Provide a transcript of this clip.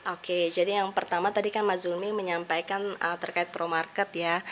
oke jadi yang pertama tadi kan mas zulmi menyampaikan terkait pro market ya